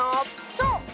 そう。